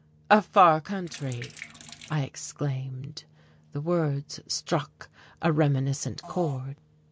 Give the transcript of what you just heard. "A far country!" I exclaimed. The words struck a reminiscent chord.